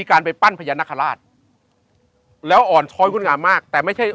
การไปปั้นพญานาคาราชแล้วอ่อนช้อยงดงามมากแต่ไม่ใช่